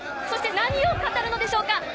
そして何を語るのでしょうか？